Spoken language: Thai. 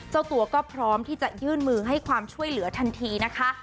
เจ้าตัวก็พร้อมที่จะยื่นมือให้ความช่วยเหลือทันทีนะคะ